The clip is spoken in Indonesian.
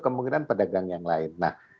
kemungkinan pedagang yang lain